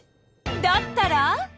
だったら？